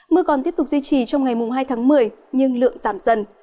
mưa còn tiếp tục duy trì trong ngày hai tháng một mươi nhưng lượng giảm dần